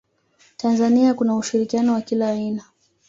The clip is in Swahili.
tanzania kuna ushirikiano wa kila aina